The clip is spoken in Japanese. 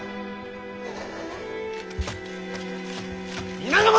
皆の者！